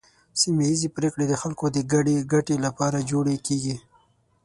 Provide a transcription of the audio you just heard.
سیمه ایزې پریکړې د خلکو د ګډې ګټې لپاره جوړې کیږي.